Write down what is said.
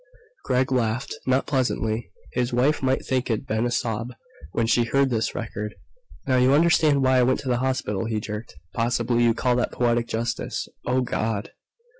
Gregg laughed, not pleasantly. His wife might think it'd been a sob, when she heard this record. "Now you understand why I went to the hospital," he jerked. "Possibly you'd call that poetic justice. Oh, God!"